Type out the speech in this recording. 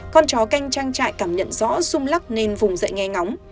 con chó canh trang trại cảm nhận rõ rung lắc nên vùng dậy nghe ngóng